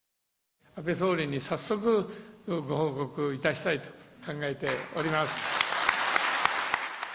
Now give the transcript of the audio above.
安倍総理に早速ご報告いたしたいと考えております。